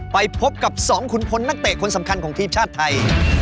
ไปพบกับ๒ขุนพลนักเตะคนสำคัญของทีมชาติไทย